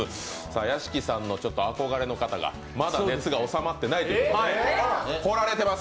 屋敷さんの憧れの方が、まだ熱が収まっていないということで来られています。